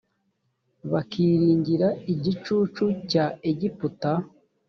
bakiringira igicucu cya egiputa